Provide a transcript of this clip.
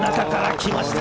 きました。